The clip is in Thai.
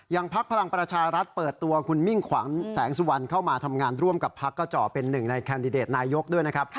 พักพลังประชารัฐเปิดตัวคุณมิ่งขวัญแสงสุวรรณเข้ามาทำงานร่วมกับพักก็จ่อเป็นหนึ่งในแคนดิเดตนายกด้วยนะครับ